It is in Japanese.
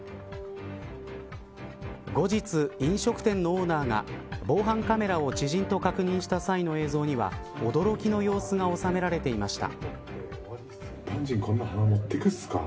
後日、飲食店のオーナーが防犯カメラを知人と確認した際の映像には驚きの様子が収められていました。